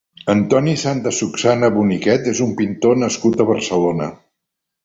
Antoni Santasusagna Boniquet és un pintor nascut a Barcelona.